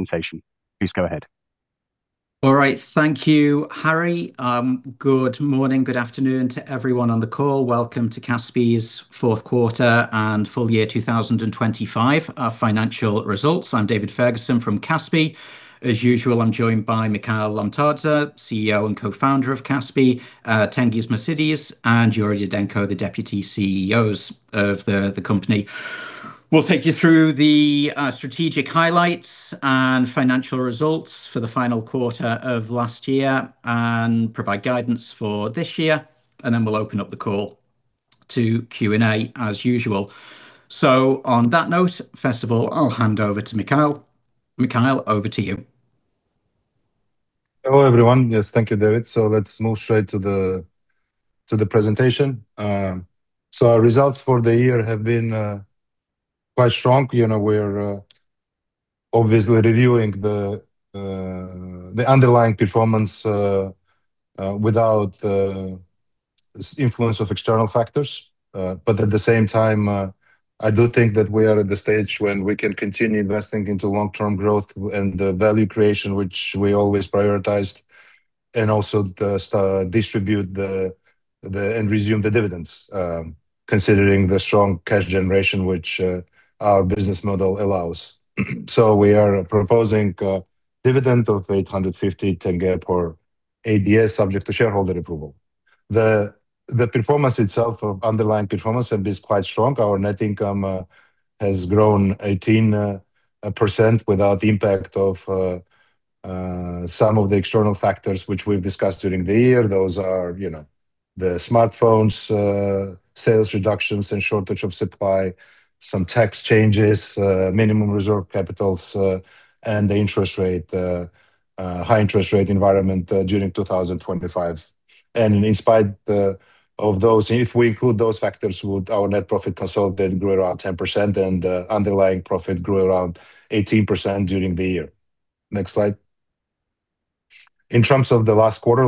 Good morning, good afternoon to everyone on the call. Welcome to Kaspi's fourth quarter and full year 2025 financial results. I'm David Ferguson from Kaspi. As usual, I'm joined by Mikhail Lomtadze, CEO and co-founder of Kaspi, Tengiz Mosidze, and Yuriy Didenko, the deputy CEOs of the company. We'll take you through the strategic highlights and financial results for the final quarter of last year and provide guidance for this year. We'll open up the call to Q&A as usual. On that note, first of all, I'll hand over to Mikhail. Mikhail, over to you. Hello, everyone. Yes, thank you, David. Let's move straight to the presentation. Our results for the year have been quite strong. You know, we're obviously reviewing the underlying performance without the influence of external factors. At the same time, I do think that we are at the stage when we can continue investing into long-term growth and the value creation which we always prioritized, and also distribute and resume the dividends, considering the strong cash generation which our business model allows. We are proposing a dividend of KZT 850 per ADS, subject to shareholder approval. The performance itself of underlying performance has been quite strong. Our net income has grown 18% without the impact of some of the external factors which we've discussed during the year. Those are, you know, the smartphones, sales reductions and shortage of supply, some tax changes, minimum reserve capitals, and the high interest rate environment during 2025. In spite of those, if we include those factors, would our net profit consolidated grew around 10%, and the underlying profit grew around 18% during the year. Next slide. In terms of the last quarter,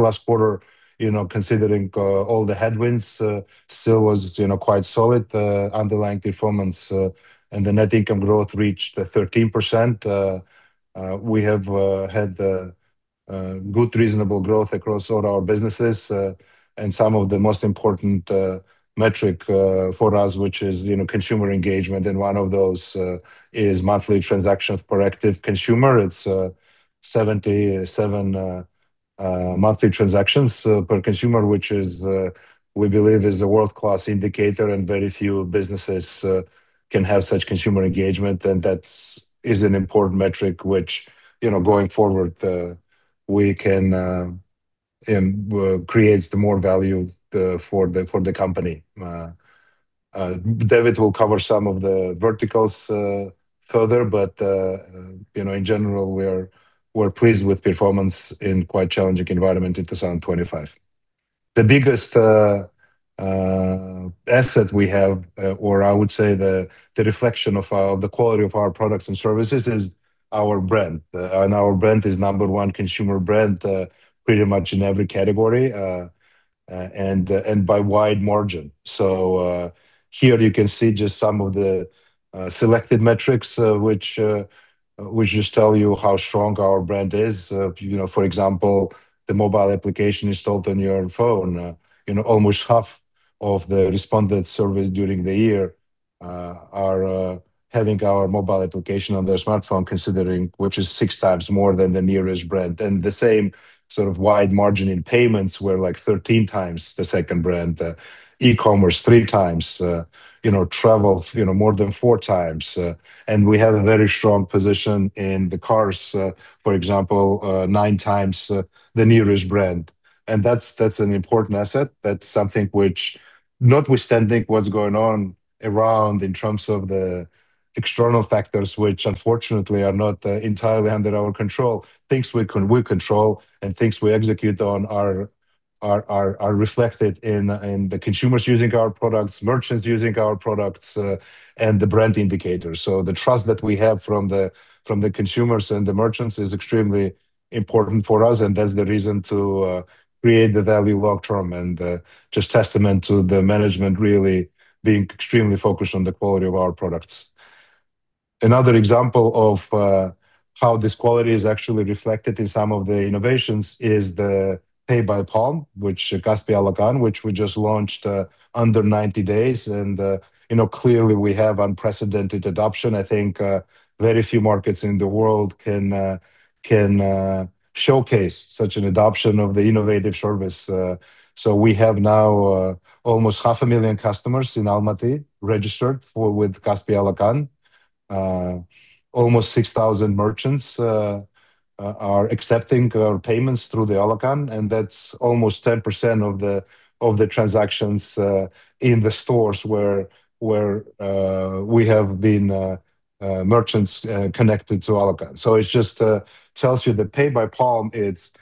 you know, considering all the headwinds, still was, you know, quite solid. The underlying performance and the net income growth reached 13%. We have had good reasonable growth across all our businesses. Some of the most important metric for us, which is, you know, consumer engagement, and one of those is monthly transactions per active consumer. It's 77 monthly transactions per consumer, which is, we believe is a world-class indicator, and very few businesses can have such consumer engagement. That's is an important metric which, you know, going forward, we can, and creates the more value for the company. David will cover some of the verticals further, but, you know, in general, we're pleased with performance in quite challenging environment in 2025. The biggest asset we have, or I would say the reflection of our, the quality of our products and services is our brand. Our brand is number one consumer brand, pretty much in every category, and by wide margin. Here you can see just some of the selected metrics, which just tell you how strong our brand is. You know, for example, the mobile application installed on your phone. You know, almost half of the respondent surveys during the year, are having our mobile application on their smartphone considering, which is 6 times more than the nearest brand. The same sort of wide margin in payments were like 13 times the second brand, e-Commerce three times, you know, travel, you know, more than 4 times. We have a very strong position in the cars, for example, 9 times the nearest brand. That's, that's an important asset. That's something which notwithstanding what's going on around in terms of the external factors which unfortunately are not entirely under our control. Things we control and things we execute on are reflected in the consumers using our products, merchants using our products, and the brand indicators. The trust that we have from the consumers and the merchants is extremely important for us, and that's the reason to create the value long term and just testament to the management really being extremely focused on the quality of our products. Another example of how this quality is actually reflected in some of the innovations is the pay by palm, which Kaspi Alaqan, which we just launched under 90 days. You know, clearly we have unprecedented adoption. I think, very few markets in the world can, showcase such an adoption of the innovative service. So we have now, almost 500,000 customers in Almaty registered with Kaspi Alaqan. Almost 6,000 merchants are accepting our payments through the Alaqan, and that's almost 10% of the transactions in the stores where, we have been, merchants connected to Alaqan. It just tells you that pay by palm, it's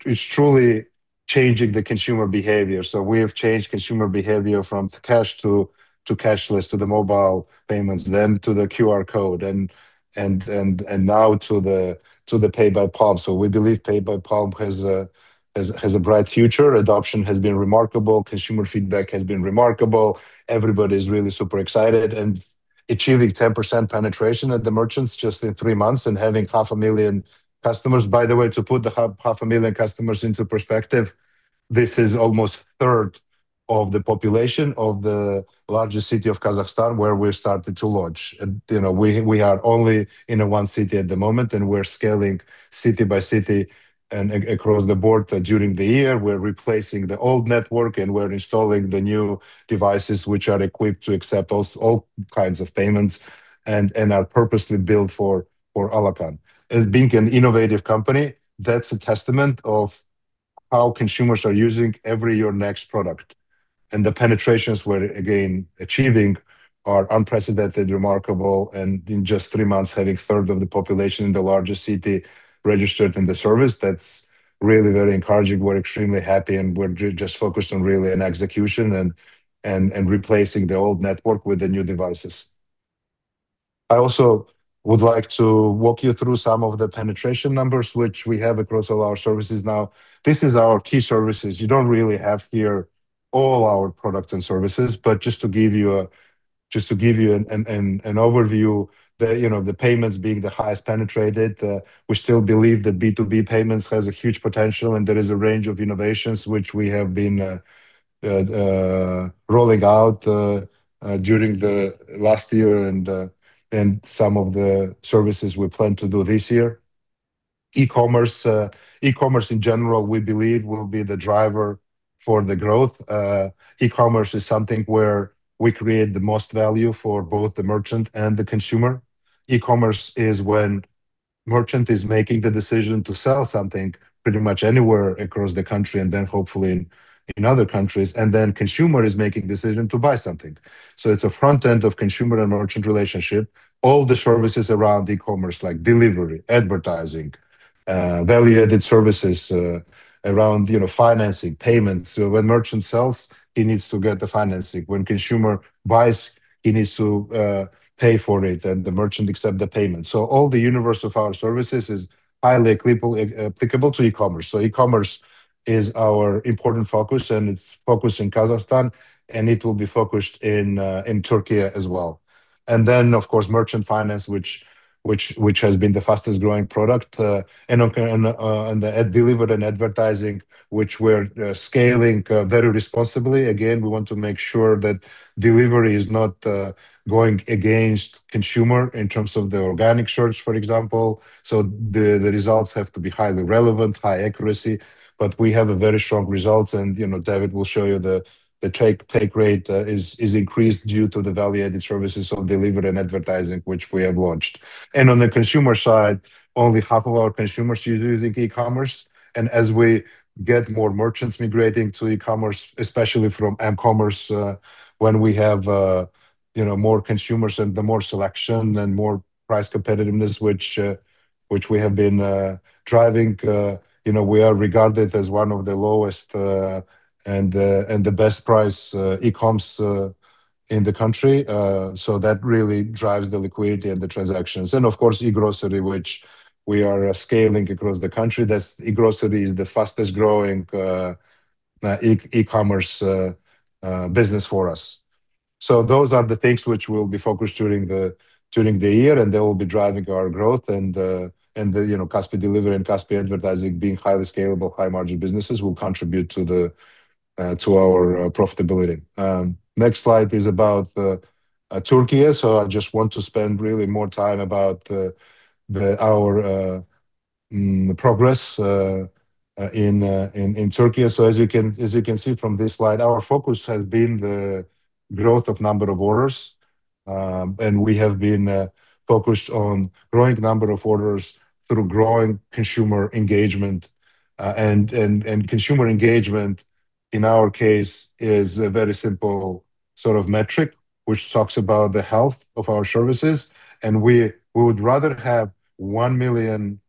truly changing the consumer behavior. We have changed consumer behavior from cash to cashless, to the mobile payments, then to the QR code and now to the pay by palm. We believe pay by palm has a bright future. Adoption has been remarkable. Consumer feedback has been remarkable. Everybody's really super excited. Achieving 10% penetration at the merchants just in three months and having 500,000 customers. By the way, to put 500,000 customers into perspective. This is almost 1/3 of the population of the largest city of Kazakhstan where we started to launch. You know, we are only in one city at the moment, and we're scaling city by city and across the board during the year. We're replacing the old network, and we're installing the new devices which are equipped to accept all kinds of payments and are purposely built for Alakan. As being an innovative company, that's a testament of how consumers are using every year next product. The penetrations we're again achieving are unprecedented, remarkable, and in just three months, having 1/3 of the population in the largest city registered in the service, that's really very encouraging. We're extremely happy, and we're just focused on really on execution and replacing the old network with the new devices. I also would like to walk you through some of the penetration numbers which we have across all our services now. This is our key services. You don't really have here all our products and services. Just to give you an overview, the, you know, the payments being the highest penetrated. We still believe that B2B payments has a huge potential, and there is a range of innovations which we have been rolling out during the last year and some of the services we plan to do this year. e-Commerce in general, we believe, will be the driver for the growth. e-Commerce is something where we create the most value for both the merchant and the consumer. e-Commerce is when merchant is making the decision to sell something pretty much anywhere across the country and then hopefully in other countries, and then consumer is making decision to buy something. It's a front end of consumer and merchant relationship. All the services around e-Commerce like delivery, advertising, value-added services around, you know, financing, payments. When merchant sells, he needs to get the financing. When consumer buys, he needs to pay for it and the merchant accept the payment. All the universe of our services is highly applicable to e-Commerce. e-Commerce is our important focus, and it's focused in Kazakhstan, and it will be focused in Türkiye as well. Of course, merchant finance, which has been the fastest-growing product, and the delivered and advertising, which we're scaling very responsibly. Again, we want to make sure that delivery is not going against consumer in terms of the organic search, for example. The results have to be highly relevant, high accuracy. We have a very strong results, and, you know, David will show you the take rate is increased due to the value-added services of delivered and advertising which we have launched. On the consumer side, only half of our consumers use e-Commerce. As we get more merchants migrating to e-Commerce, especially from m-Commerce, when we have, you know, more consumers and the more selection and more price competitiveness which we have been driving, you know, we are regarded as one of the lowest and the best price e-coms in the country. That really drives the liquidity and the transactions. Of course, e-Grocery, which we are scaling across the country. e-Grocery is the fastest-growing e-Commerce business for us. Those are the things which we'll be focused during the year, and they will be driving our growth and, you know, Kaspi Delivery and Kaspi Advertising being highly scalable, high-margin businesses will contribute to our profitability. Next slide is about Türkiye. I just want to spend really more time about our progress in Türkiye. As you can see from this slide, our focus has been the growth of number of orders. We have been focused on growing number of orders through growing consumer engagement. Consumer engagement, in our case, is a very simple sort of metric which talks about the health of our services. We would rather have 1 million,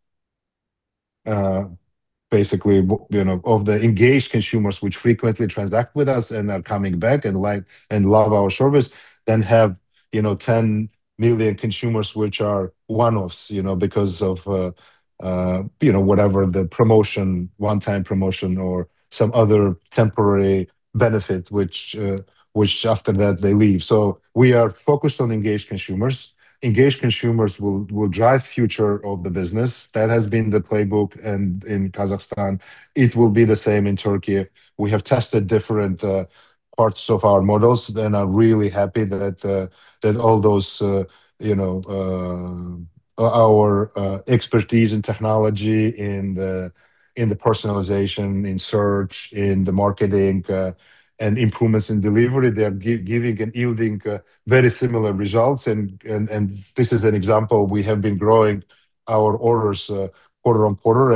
basically, you know, of the engaged consumers which frequently transact with us and are coming back and like and love our service than have, you know, 10 million consumers which are one-offs, you know. Because of, you know, whatever the promotion, one-time promotion or some other temporary benefit which after that they leave. We are focused on engaged consumers. Engaged consumers will drive future of the business. That has been the playbook in Kazakhstan. It will be the same in Türkiye. We have tested different parts of our models and are really happy that all those, you know, our expertise and technology in the personalization, in search, in the marketing, and improvements in delivery, they are giving and yielding very similar results. This is an example. We have been growing our orders quarter-on-quarter.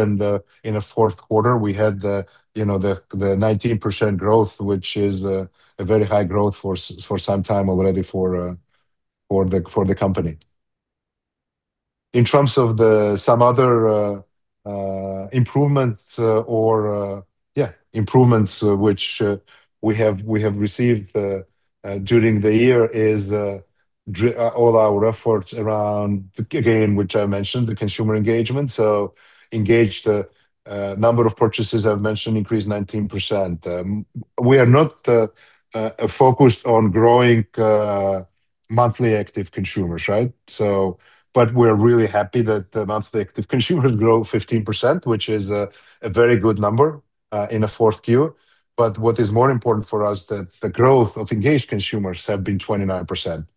In the fourth quarter, we had the 19% growth, which is a very high growth for some time already for the company. In terms of some other improvements or improvements which we have received during the year is all our efforts around, again, which I mentioned, the consumer engagement. Engaged number of purchases I've mentioned increased 19%. We are not focused on growing Monthly active consumers, right? But we're really happy that the Monthly active consumers grow 15%, which is a very good number in the fourth quarter. What is more important for us that the growth of engaged consumers have been 29%,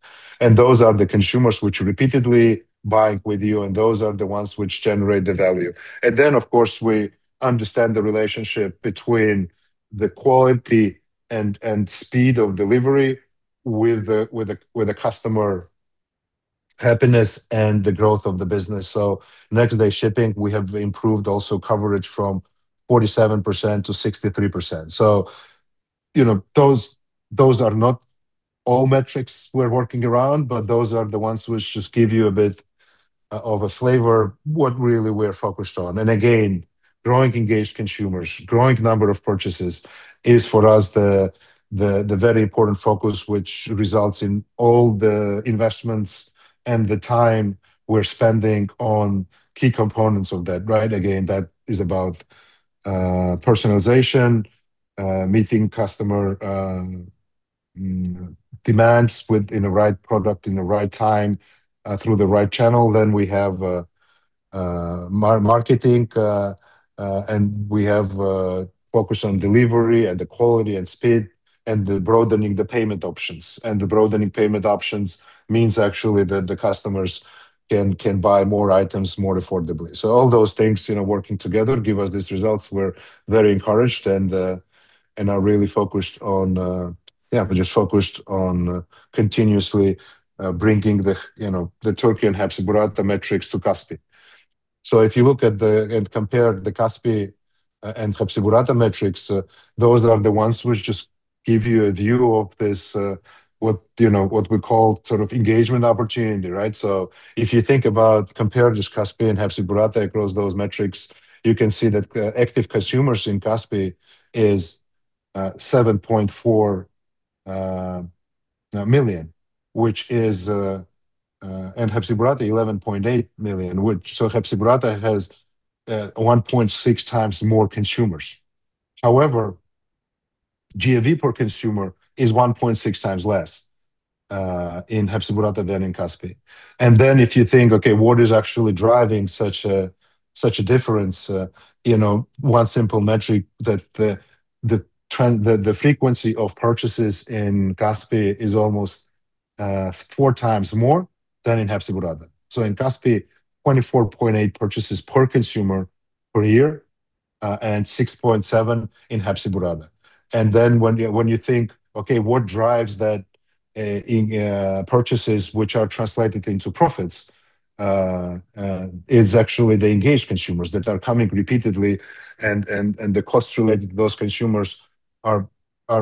and those are the consumers which repeatedly buying with you, and those are the ones which generate the value. Then, of course, we understand the relationship between the quality and speed of delivery with the customer happiness and the growth of the business. Next-day shipping, we have improved also coverage from 47%-63%. You know, those are not all metrics we're working around, but those are the ones which just give you a bit of a flavor what really we're focused on. Again, growing engaged consumers, growing number of purchases is for us the very important focus which results in all the investments and the time we're spending on key components of that, right? Again, that is about personalization, meeting customer demands with the right product in the right time, through the right channel. We have marketing, and we have focus on delivery and the quality and speed and the broadening the payment options. The broadening payment options means actually that the customers can buy more items more affordably. All those things, you know, working together give us these results. We're very encouraged and are really focused on, yeah, we're just focused on continuously bringing the, you know, the Türkiye and Hepsiburada metrics to Kaspi. If you look at and compare the Kaspi, and Hepsiburada metrics, those are the ones which just give you a view of this, what, you know, what we call sort of engagement opportunity, right? If you think about compare just Kaspi and Hepsiburada across those metrics, you can see that the active consumers in Kaspi is 7.4 million, and Hepsiburada 11.8 million. Hepsiburada has 1.6 times more consumers. However, GMV per consumer is 1.6 times less in Hepsiburada than in Kaspi. If you think, okay, what is actually driving such a difference, you know, one simple metric that the frequency of purchases in Kaspi is almost 4 times more than in Hepsiburada. In Kaspi, 24.8 purchases per consumer per year, and 6.7 in Hepsiburada. When you, when you think, okay, what drives that in purchases which are translated into profits, is actually the engaged consumers that are coming repeatedly and the costs related to those consumers are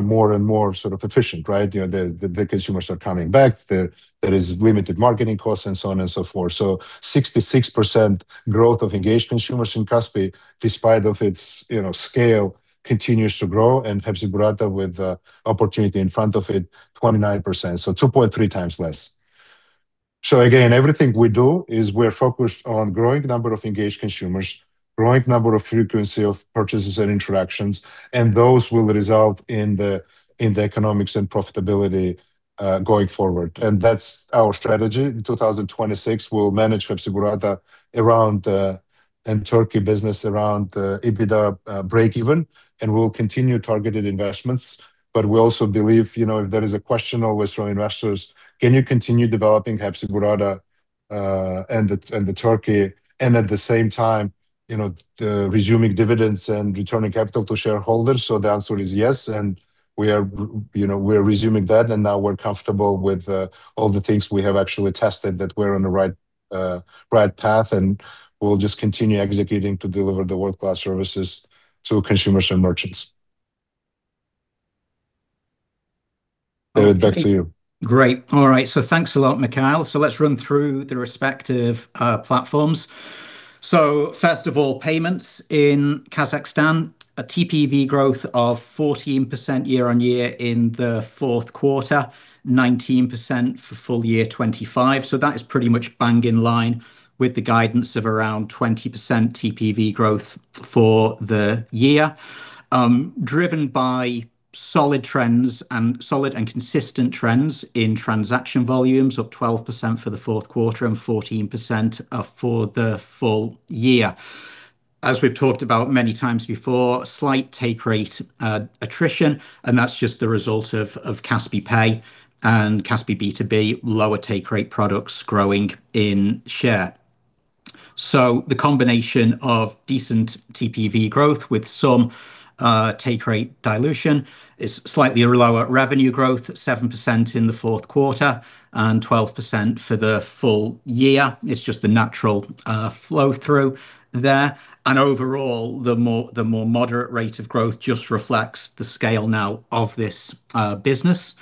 more and more sort of efficient, right? You know, the consumers are coming back. There is limited marketing costs and so on and so forth. 66% growth of engaged consumers in Kaspi.kz, despite of its, you know, scale, continues to grow. Hepsiburada with the opportunity in front of it, 29%, so 2.3 times less. Again, everything we do is we're focused on growing number of engaged consumers, growing number of frequency of purchases and interactions, and those will result in the economics and profitability going forward. That's our strategy. In 2026, we'll manage Hepsiburada around, and Türkiye business around EBITDA breakeven, and we'll continue targeted investments. We also believe, you know, if there is a question always from investors, can you continue developing Hepsiburada, and the Türkiye and at the same time, you know, resuming dividends and returning capital to shareholders? The answer is yes, and we are resuming that, and now we're comfortable with all the things we have actually tested that we're on the right path, and we'll just continue executing to deliver the world-class services to consumers and merchants. David, back to you. Great. All right, thanks a lot, Mikhail. Let's run through the respective platforms. First of all, payments in Kazakhstan, a TPV growth of 14% year-over-year in the fourth quarter, 19% for full year 2025. That is pretty much bang in line with the guidance of around 20% TPV growth for the year, driven by solid and consistent trends in transaction volumes up 12% for the fourth quarter and 14% for the full year. As we've talked about many times before, slight take rate attrition, and that's just the result of Kaspi Pay and Kaspi B2B lower take rate products growing in share. The combination of decent TPV growth with some take rate dilution is slightly lower revenue growth at 7% in the fourth quarter and 12% for the full year. It's just the natural flow through there. Overall, the more moderate rate of growth just reflects the scale now of this business.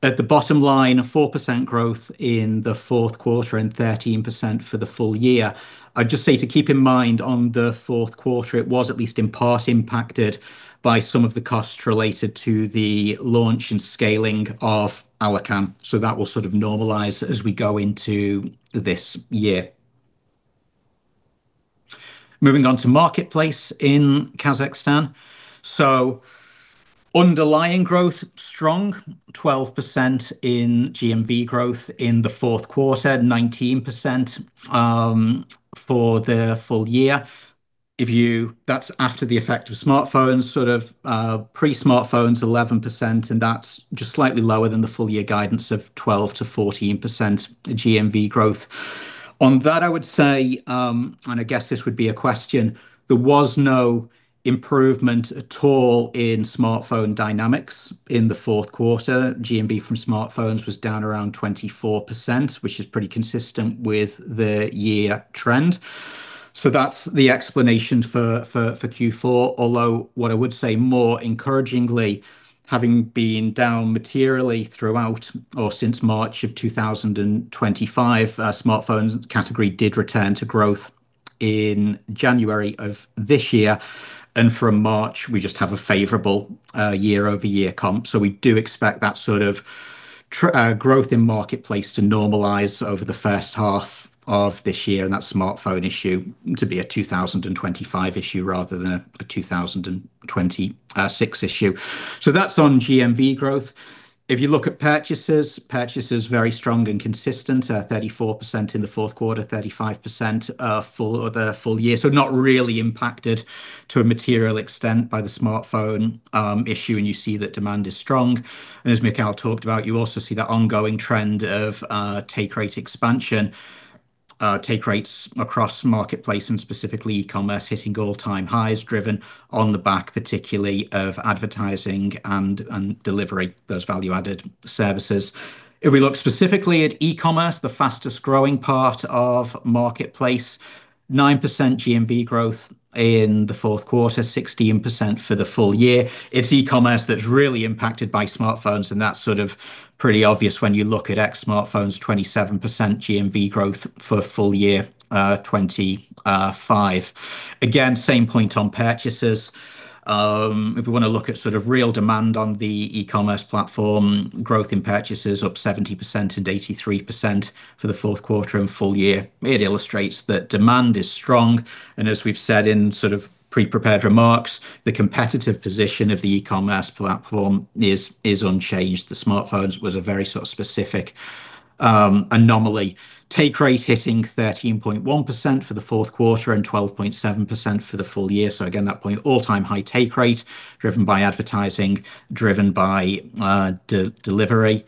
At the bottom line, a 4% growth in the fourth quarter and 13% for the full year. I'd just say to keep in mind on the fourth quarter, it was at least in part impacted by some of the costs related to the launch and scaling of Alaqan. That will sort of normalize as we go into this year. Moving on to Marketplace in Kazakhstan. Underlying growth strong, 12% in GMV growth in the fourth quarter, 19% for the full year. That's after the effect of smartphones, sort of, pre-smartphones 11%, and that's just slightly lower than the full year guidance of 12%-14% GMV growth. On that, I would say, I guess this would be a question, there was no improvement at all in smartphone dynamics in the fourth quarter. GMV from smartphones was down around 24%, which is pretty consistent with the year trend. That's the explanation for Q4, although what I would say more encouragingly, having been down materially throughout or since March of 2025, smartphones category did return to growth in January of this year. From March, we just have a favorable, year-over-year comp. We do expect that sort of growth in Marketplace to normalize over the first half of this year and that smartphone issue to be a 2025 issue rather than a 2026 issue. That's on GMV growth. If you look at purchases very strong and consistent at 34% in the fourth quarter, 35% for the full year. Not really impacted to a material extent by the smartphone issue. You see that demand is strong. As Mikhail talked about, you also see that ongoing trend of take rate expansion. Take rates across Marketplace and specifically e-Commerce hitting all-time highs, driven on the back, particularly of advertising and delivery, those value-added services. If we look specifically at e-Commerce, the fastest-growing part of Marketplace, 9% GMV growth in the fourth quarter, 16% for the full year. It's e-Commerce that's really impacted by smartphones, and that's sort of pretty obvious when you look at ex-smartphones, 27% GMV growth for full year, 2025. Again, same point on purchases. If we want to look at sort of real demand on the e-Commerce platform, growth in purchases up 70% and 83% for the fourth quarter and full year. It illustrates that demand is strong. As we've said in sort of pre-prepared remarks, the competitive position of the e-Commerce platform is unchanged. The smartphones was a very sort of specific anomaly. Take rate hitting 13.1% for the fourth quarter and 12.7% for the full year. Again, that point, all-time high take rate driven by advertising, driven by delivery.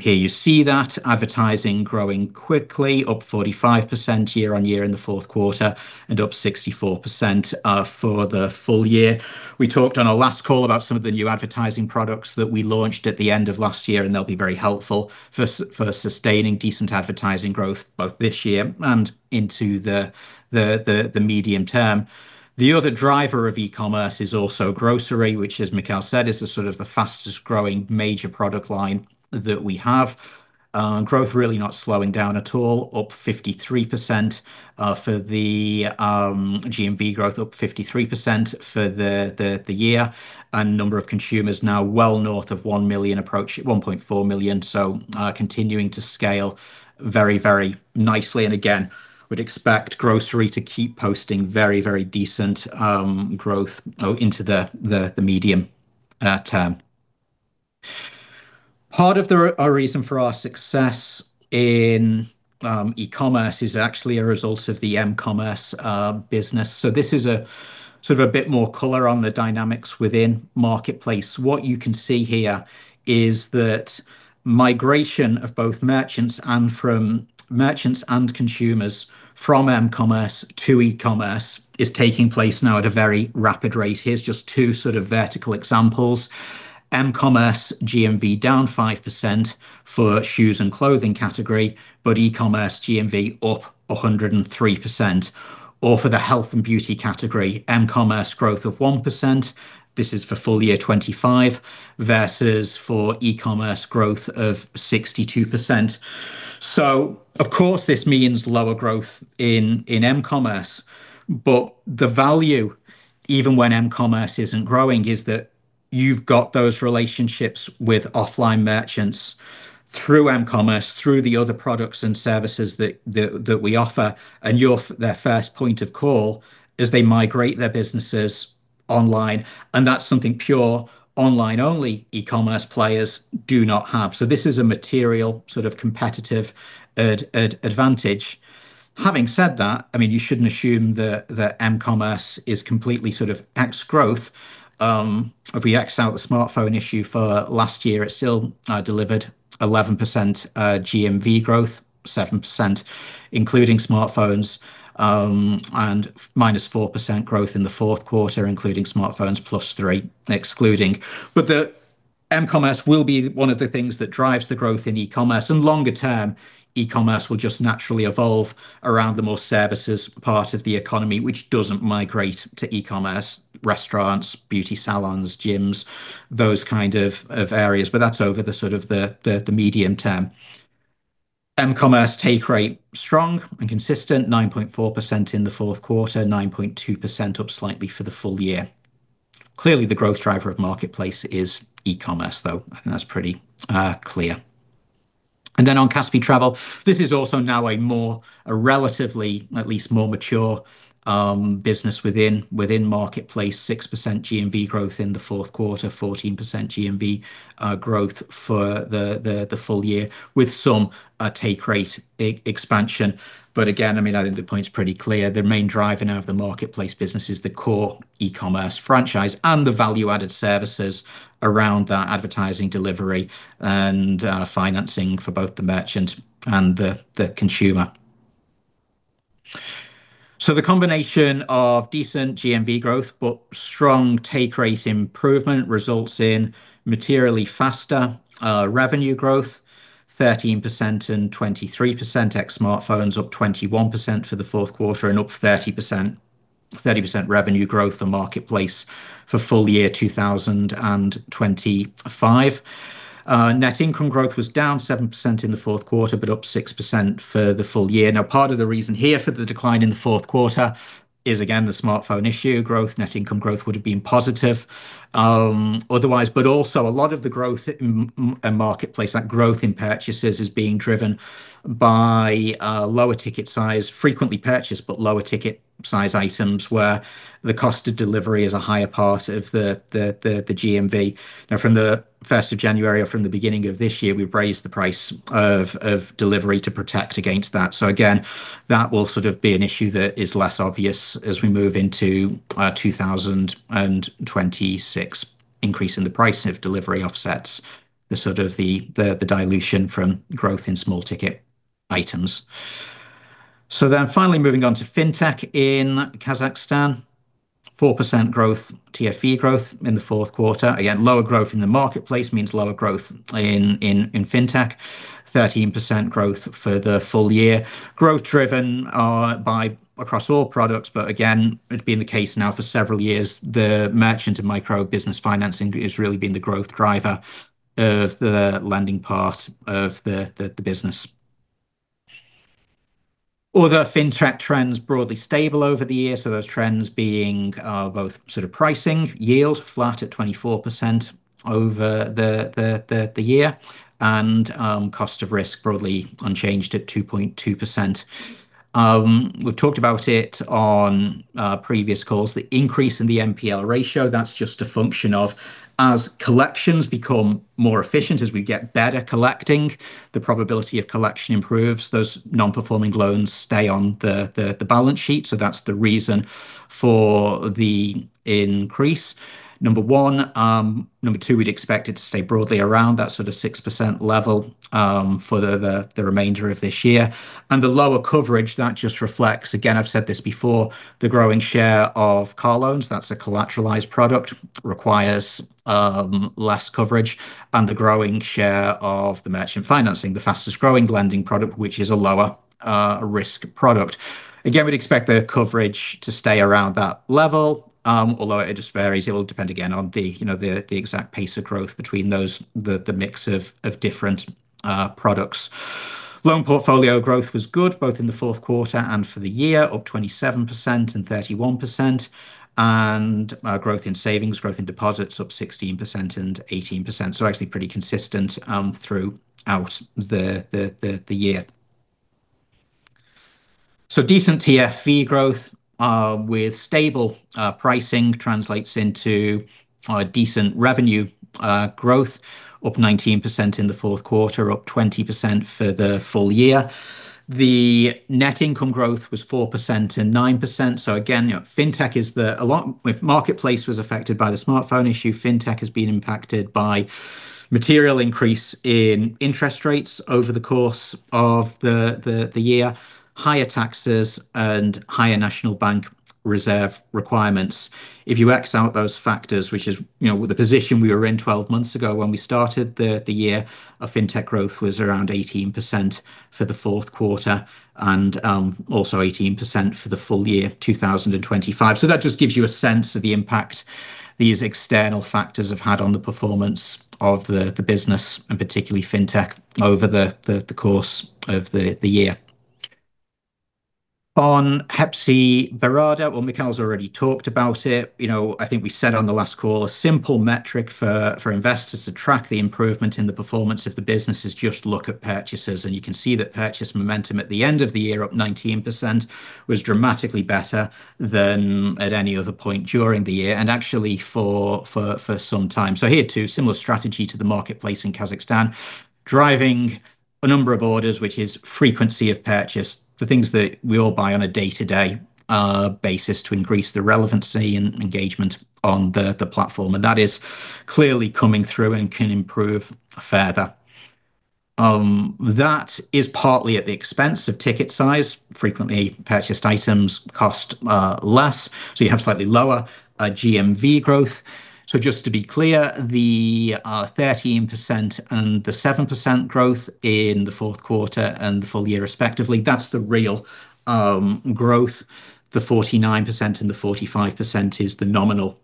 Here you see that advertising growing quickly, up 45% year-on-year in the fourth quarter and up 64% for the full year. We talked on our last call about some of the new advertising products that we launched at the end of last year, and they'll be very helpful for sustaining decent advertising growth both this year and into the medium term. The other driver of e-Commerce is also grocery, which, as Mikhail said, is the sort of the fastest-growing major product line that we have. Growth really not slowing down at all, up 53% for the GMV growth, up 53% for the year. Number of consumers now well north of 1 million, approach 1.4 million. Continuing to scale very, very nicely. Again, would expect grocery to keep posting very, very decent growth into the medium term. Part of our reason for our success in e-Commerce is actually a result of the m-Commerce business. This is a sort of a bit more color on the dynamics within Marketplace. What you can see here is that migration of both merchants and consumers from m-Commerce to e-Commerce is taking place now at a very rapid rate. Here's just two sort of vertical examples. m-Commerce GMV down 5% for shoes and clothing category, but e-Commerce GMV up 103%. For the health and beauty category, m-Commerce growth of 1%, this is for full year 2025, versus for e-Commerce growth of 62%. Of course, this means lower growth in m-Commerce, but the value, even when m-Commerce isn't growing, is that you've got those relationships with offline merchants through m-Commerce, through the other products and services that we offer, and you're their first point of call as they migrate their businesses online. That's something pure online only e-Commerce players do not have. This is a material sort of competitive advantage. Having said that, I mean, you shouldn't assume that m-Commerce is completely sort of ex-growth. If we ex out the smartphone issue for last year, it still delivered 11% GMV growth, 7% including smartphones, and -4% growth in the fourth quarter, including smartphones, +3% excluding. The m-Commerce will be one of the things that drives the growth in e-Commerce. Longer term, e-Commerce will just naturally evolve around the more services part of the economy, which doesn't migrate to e-Commerce, restaurants, beauty salons, gyms, those kind of areas, but that's over the sort of the medium term. m-Commerce take rate strong and consistent, 9.4% in the fourth quarter, 9.2% up slightly for the full year. Clearly, the growth driver of Marketplace is e-Commerce, though. I think that's pretty clear. Then on Kaspi Travel, this is also now a more, a relatively, at least more mature business within marketplace, 6% GMV growth in the fourth quarter, 14% GMV growth for the full year with some, a take rate e-expansion. Again, I mean, I think the point's pretty clear. The main driver now of the marketplace business is the core e-Commerce franchise and the value-added services around that advertising delivery and financing for both the merchant and the consumer. The combination of decent GMV growth, but strong take rate improvement results in materially faster revenue growth, 13% and 23% ex smartphones, up 21% for the fourth quarter and up 30% revenue growth for marketplace for full year 2025. Net income growth was down 7% in the fourth quarter, but up 6% for the full year. Now, part of the reason here for the decline in the fourth quarter is again, the smartphone issue growth. Net income growth would have been positive otherwise, but also a lot of the growth in a marketplace, that growth in purchases is being driven by lower ticket size, frequently purchased but lower ticket size items where the cost of delivery is a higher part of the GMV. Now, from the first of January or from the beginning of this year, we've raised the price of delivery to protect against that. Again, that will sort of be an issue that is less obvious as we move into 2026. Increase in the price of delivery offsets, the sort of the dilution from growth in small ticket items. Finally moving on to Fintech in Kazakhstan, 4% growth, TFV growth in the fourth quarter. Again, lower growth in the marketplace means lower growth in Fintech. 13% growth for the full year. Growth driven by across all products, again, it's been the case now for several years. The merchant and micro business financing has really been the growth driver of the lending part of the business. Other Fintech trends broadly stable over the years. Those trends being both sort of pricing, yield flat at 24% over the year, and cost of risk broadly unchanged at 2.2%. We've talked about it on previous calls, the increase in the NPL ratio. That's just a function of as collections become more efficient, as we get better collecting, the probability of collection improves, those non-performing loans stay on the balance sheet. That's the reason for the increase, number one. Number two, we'd expect it to stay broadly around that sort of 6% level for the remainder of this year. The lower coverage, that just reflects, again, I've said this before, the growing share of car loans, that's a collateralized product, requires less coverage, and the growing share of the merchant financing, the fastest growing lending product, which is a lower risk product. Again, we'd expect the coverage to stay around that level, although it just varies. It will depend again on you know, the exact pace of growth between those, the mix of different products. Loan portfolio growth was good, both in the fourth quarter and for the year, up 27% and 31%. Growth in savings, growth in deposits up 16% and 18%. Actually pretty consistent throughout the year. Decent TFV growth with stable pricing translates into decent revenue growth, up 19% in the fourth quarter, up 20% for the full year. The net income growth was 4% and 9%. Again, you know, Fintech is the along with marketplace was affected by the smartphone issue, Fintech has been impacted by material increase in interest rates over the course of the year, higher taxes and higher National Bank reserve requirements. If you X out those factors, which is, you know, the position we were in 12 months ago when we started the year, our Fintech growth was around 18% for the Q4 and also 18% for the full year 2025. That just gives you a sense of the impact these external factors have had on the performance of the business, and particularly Fintech over the course of the year. On Hepsiburada, well, Mikhail's already talked about it. You know, I think we said on the last call, a simple metric for investors to track the improvement in the performance of the business is just look at purchases, and you can see that purchase momentum at the end of the year, up 19%, was dramatically better than at any other point during the year, and actually for some time. Here too, similar strategy to the marketplace in Kazakhstan, driving a number of orders, which is frequency of purchase, the things that we all buy on a day-to-day basis to increase the relevancy and engagement on the platform. That is clearly coming through and can improve further. That is partly at the expense of ticket size. Frequently purchased items cost less, so you have slightly lower GMV growth. Just to be clear, the 13% and the 7% growth in the fourth quarter and the full year respectively, that's the real growth. The 49% and the 45% is the nominal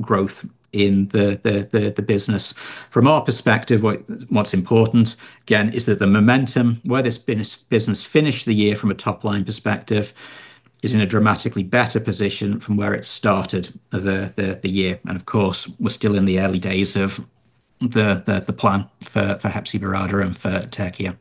growth in the business. From our perspective, what's important, again, is that the momentum where this business finished the year from a top line perspective is in a dramatically better position from where it started the year. Of course, we're still in the early days of the plan for Hepsiburada and for Türkiye.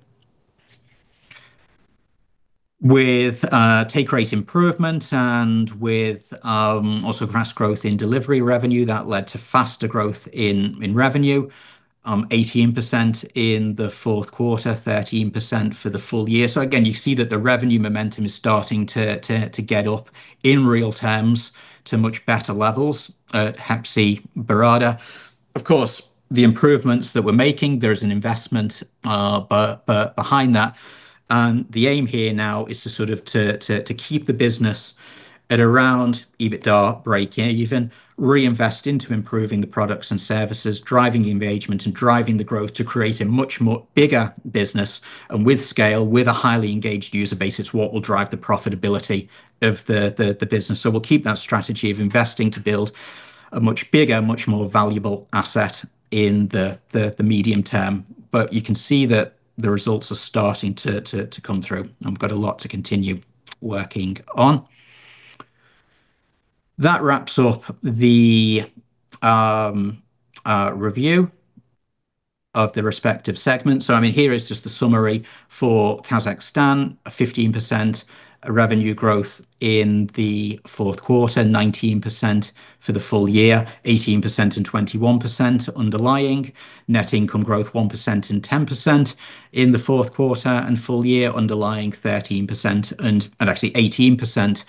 With take rate improvement and with also fast growth in delivery revenue that led to faster growth in revenue, 18% in the fourth quarter, 13% for the full year. Again, you see that the revenue momentum is starting to get up in real terms to much better levels at Hepsiburada. Of course, the improvements that we're making, there is an investment behind that. The aim here now is to sort of to keep the business at around EBITDA break, even reinvest into improving the products and services, driving the engagement and driving the growth to create a much more bigger business and with scale, with a highly engaged user base is what will drive the profitability of the business. We'll keep that strategy of investing to build a much bigger, much more valuable asset in the medium term. You can see that the results are starting to come through, and we've got a lot to continue working on. That wraps up the review of the respective segments. I mean, here is just a summary for Kazakhstan, a 15% revenue growth in the fourth quarter, 19% for the full year, 18% and 21% underlying. Net income growth 1% and 10% in the fourth quarter and full year underlying 13% and actually 18%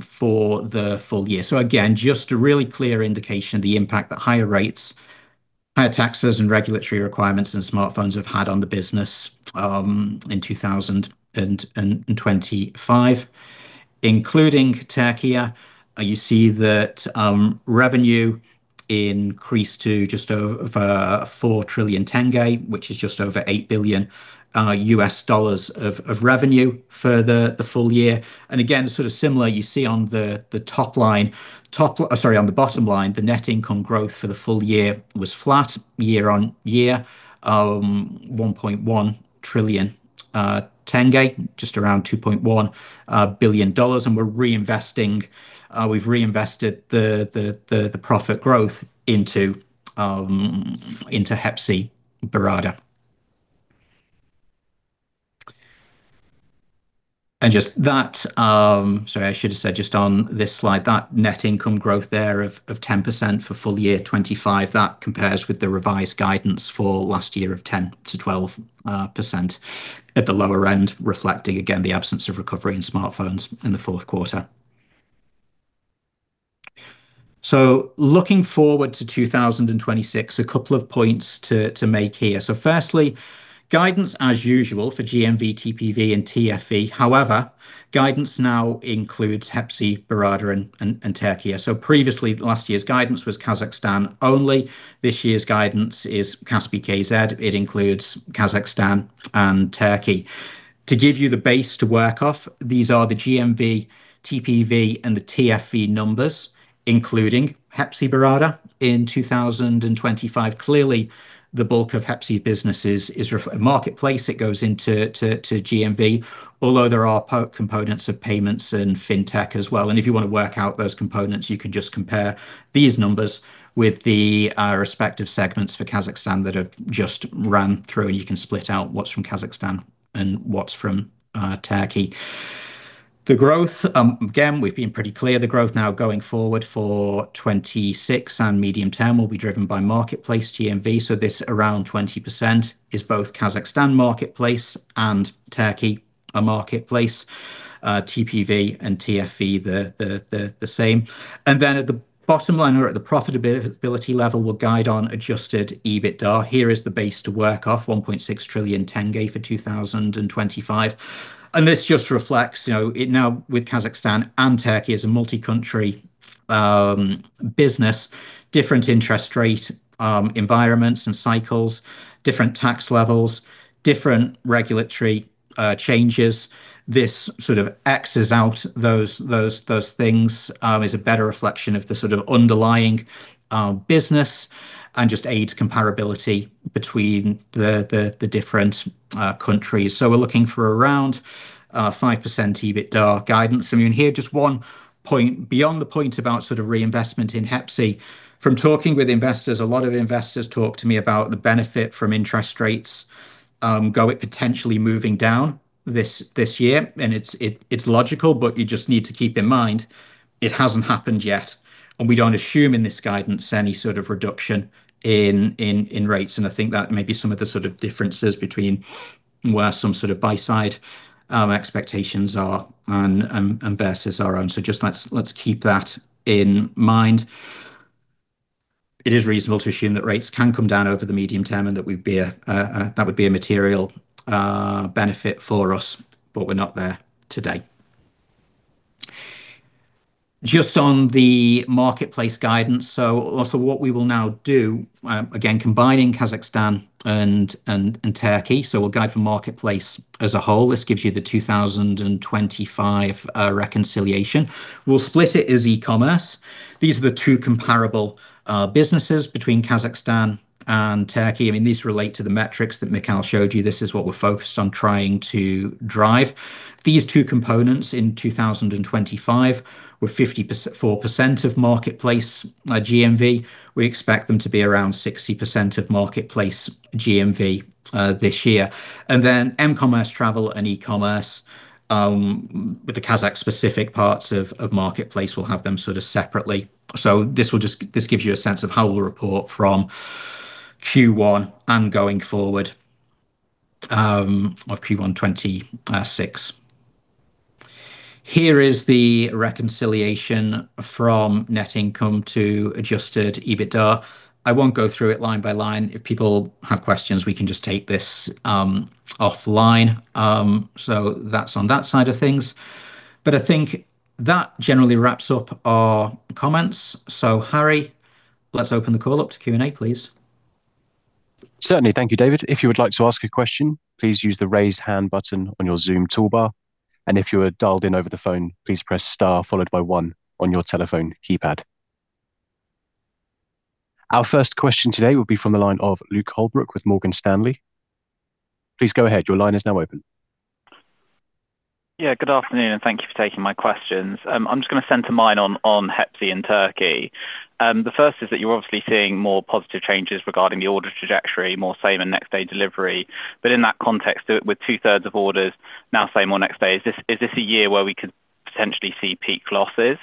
for the full year. Again, just a really clear indication of the impact that higher rates, higher taxes and regulatory requirements and smartphones have had on the business in 2025. Including Türkiye, you see that revenue increased to just over KZT 4 trillion, which is just over $8 billion revenue for the full year. Again, sort of similar, you see on the top line. Sorry, on the bottom line, the net income growth for the full year was flat year-on-year, KZT 1.1 trillion, just around $2.1 billion. We've reinvested the profit growth into Hepsiburada. Sorry, I should have said just on this slide, that net income growth there of 10% for full year 2025, that compares with the revised guidance for last year of 10%-12% at the lower end, reflecting again the absence of recovery in smartphones in the fourth quarter. Looking forward to 2026, a couple of points to make here. Firstly, guidance as usual for GMV, TPV and TFV. However, guidance now includes Hepsiburada and Türkiye. Previously, last year's guidance was Kazakhstan only. This year's guidance is Kaspi.kz. It includes Kazakhstan and Türkiye. To give you the base to work off, these are the GMV, TPV and the TFV numbers, including Hepsiburada in 2025. Clearly, the bulk of Hepsiburada businesses is marketplace. It goes into GMV, although there are components of payments and Fintech as well. If you want to work out those components, you can just compare these numbers with the respective segments for Kazakhstan that I've just ran through, and you can split out what's from Kazakhstan and what's from Türkiye. The growth, again, we've been pretty clear the growth now going forward for 2026 and medium term will be driven by marketplace GMV. This around 20% is both Kazakhstan marketplace and Türkiye marketplace, TPV and TFV the same. Then at the bottom line or at the profitability level, we'll guide on adjusted EBITDA. Here is the base to work off KZT 1.6 trillion for 2025. This just reflects, you know, it now with Kazakhstan and Türkiye as a multi-country business, different interest rate environments and cycles, different tax levels, different regulatory changes. This sort of X's out those things, is a better reflection of the sort of underlying business and just aids comparability between the different countries. We're looking for around 5% EBITDA guidance. I mean, here just one point beyond the point about sort of reinvestment in Hepsi. From talking with investors, a lot of investors talk to me about the benefit from interest rates, go at potentially moving down this year. It's logical, but you just need to keep in mind it hasn't happened yet, and we don't assume in this guidance any sort of reduction in rates. I think that may be some of the sort of differences between where some sort of buy-side expectations are and versus our own. Just let's keep that in mind. It is reasonable to assume that rates can come down over the medium term and that would be a that would be a material benefit for us. We're not there today. Just on the marketplace guidance, Also what we will now do, again, combining Kazakhstan and Türkiye, we'll guide for marketplace as a whole. This gives you the 2025 reconciliation. We'll split it as e-Commerce. These are the two comparable businesses between Kazakhstan and Türkiye. I mean, these relate to the metrics that Mikhail showed you. This is what we're focused on trying to drive. These two components in 2025 were 54% of marketplace GMV. We expect them to be around 60% of marketplace GMV this year. Then m-Commerce, travel and e-Commerce, with the Kazakh specific parts of marketplace, we'll have them sort of separately. This gives you a sense of how we'll report from Q1 and going forward of Q1 2026. Here is the reconciliation from net income to adjusted EBITDA. I won't go through it line by line. If people have questions, we can just take this offline. That's on that side of things. I think that generally wraps up our comments. Harry, let's open the call up to Q&A, please. Certainly. Thank you, David. If you would like to ask a question, please use the Raise Hand button on your Zoom toolbar. If you are dialed in over the phone, please press star followed by one on your telephone keypad. Our first question today will be from the line of Luke Holbrook with Morgan Stanley. Please go ahead. Your line is now open. Yeah, good afternoon, and thank you for taking my questions. I'm just gonna center mine on Hepsiburada in Türkiye. The first is that you're obviously seeing more positive changes regarding the order trajectory, more same and next-day delivery. In that context, with two-thirds of orders now same or next-day, is this a year where we could potentially see peak losses?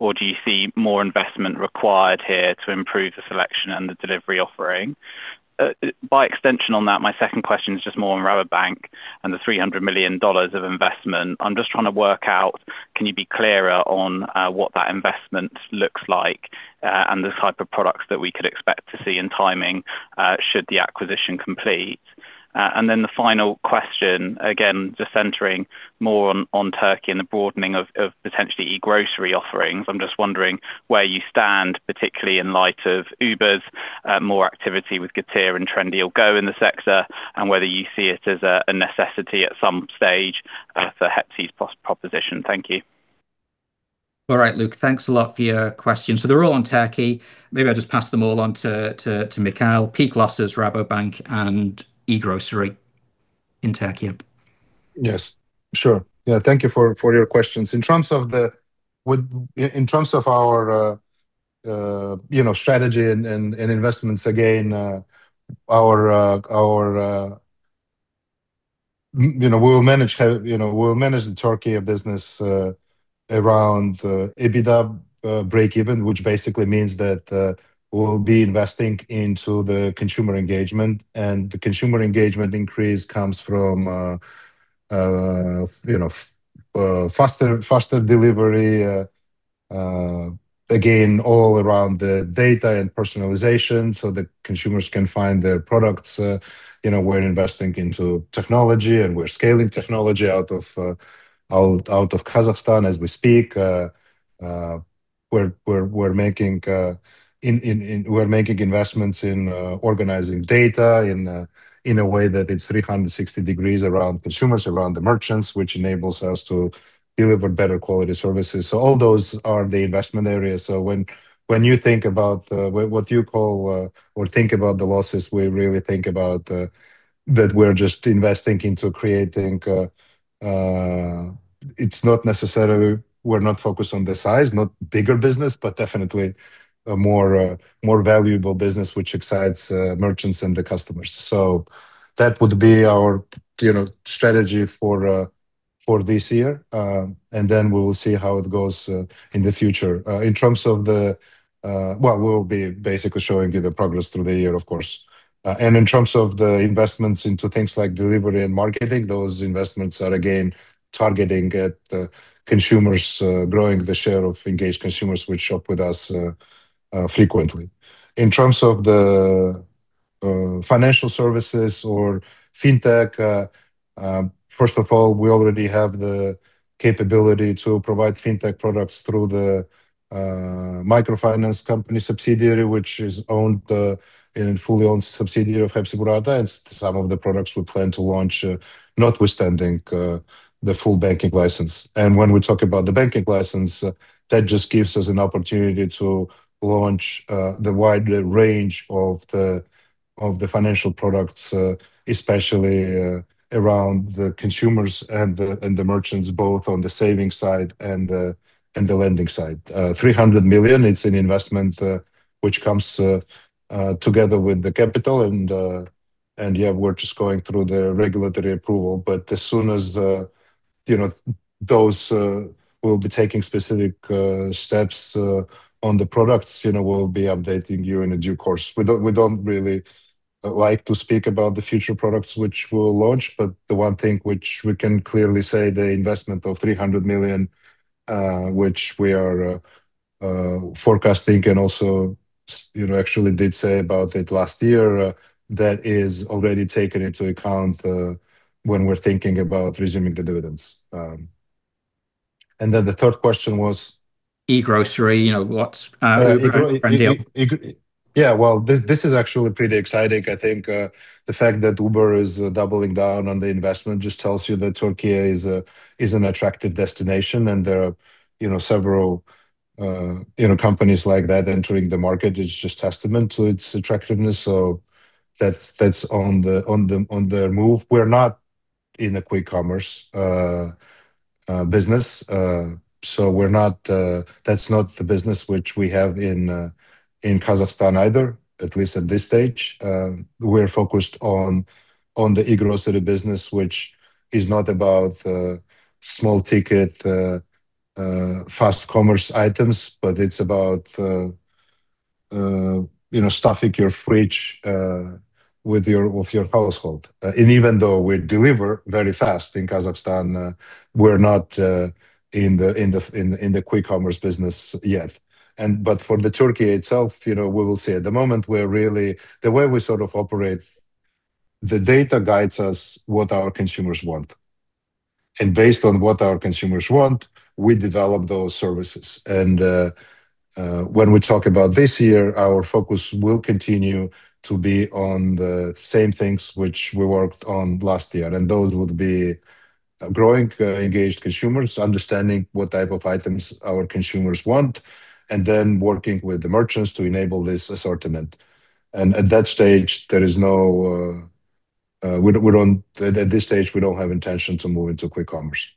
Do you see more investment required here to improve the selection and the delivery offering? By extension on that, my second question is just more on Rabobank and the $300 million of investment. I'm just trying to work out, can you be clearer on what that investment looks like, and the type of products that we could expect to see in timing, should the acquisition complete? The final question, again, just centering more on Türkiye and the broadening of potentially e-Grocery offerings. I'm just wondering where you stand, particularly in light of Uber's more activity with Getir and Trendyol Go in the sector, and whether you see it as a necessity at some stage for Hepsi's proposition. Thank you. All right, Luke. Thanks a lot for your questions. They're all on Türkiye. Maybe I'll just pass them all on to Mikhail. Peak losses, Rabobank, and e-Grocery in Türkiye. Yes, sure. Thank you for your questions. In terms of our, you know, strategy and investments, again, you know, we'll manage the Türkiye business around EBITDA breakeven, which basically means that we'll be investing into the consumer engagement, and the consumer engagement increase comes from, you know, faster delivery, again, all around the data and personalization so the consumers can find their products. You know, we're investing into technology, and we're scaling technology out of Kazakhstan as we speak. We're making investments in organizing data in a way that it's 360 degrees around consumers, around the merchants, which enables us to deliver better quality services. All those are the investment areas. When you think about what you call or think about the losses, we really think about that we're just investing into creating. It's not necessarily we're not focused on the size, not bigger business, but definitely a more valuable business which excites merchants and the customers. That would be our, you know, strategy for this year. We will see how it goes in the future. In terms of the. Well, we'll be basically showing you the progress through the year, of course. In terms of the investments into things like delivery and marketing, those investments are again targeting at the consumers, growing the share of engaged consumers which shop with us frequently. In terms of the financial services or Fintech, first of all, we already have the capability to provide Fintech products through the microfinance company subsidiary, which is owned in fully owned subsidiary of Hepsiburada, and some of the products we plan to launch, notwithstanding the full banking license. When we talk about the banking license, that just gives us an opportunity to launch the wider range of the financial products, especially around the consumers and the merchants, both on the savings side and the lending side. $300 million, it's an investment, which comes together with the capital and yeah, we're just going through the regulatory approval. As soon as, you know, those, we'll be taking specific steps on the products, you know, we'll be updating you in a due course. We don't, we don't really like to speak about the future products which we'll launch, the one thing which we can clearly say, the investment of $300 million, which we are forecasting and also you know, actually did say about it last year, that is already taken into account when we're thinking about resuming the dividends. Then the third question was? e-Grocery, you know, what's Trendyol? Yeah, well, this is actually pretty exciting. I think the fact that Uber is doubling down on the investment just tells you that Türkiye is an attractive destination and there are, you know, several, you know, companies like that entering the market. It's just testament to its attractiveness. That's on the move. We're not in a quick commerce business. That's not the business which we have in Kazakhstan either, at least at this stage. We're focused on the e-Grocery business, which is not about small ticket fast commerce items, but it's about, you know, stuffing your fridge with your household. Even though we deliver very fast in Kazakhstan, we're not in the quick commerce business yet. But for the Türkiye itself, you know, we will say at the moment we're really. The way we sort of operate, the data guides us what our consumers want, and based on what our consumers want, we develop those services. When we talk about this year, our focus will continue to be on the same things which we worked on last year, and those would be growing engaged consumers, understanding what type of items our consumers want, and then working with the merchants to enable this assortment. At that stage, we don't have intention to move into quick commerce.